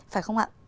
phải không ạ